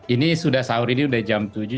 ini sudah sahur ini sudah jam tujuh